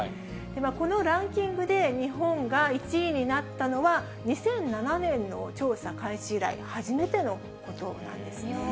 このランキングで、日本が１位になったのは、２００７年の調査開始以来、初めてのことなんですね。